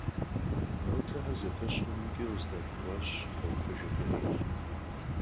Нотэхэр зэпэщ хъунымкӀэ къыздэӀэпыкъуащ ХьэӀупэ ДжэбрэӀил.